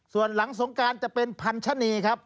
ส่วนหลังสงการจะเป็นพันธนีครับ